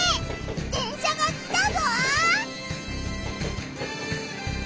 電車が来たぞ！